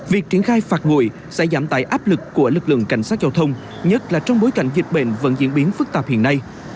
việc triển khai phạt nguội sẽ giảm tải áp lực của lực lượng cảnh sát giao thông nhất là trong bối cảnh dịch bệnh vẫn diễn biến phức tạp hiện nay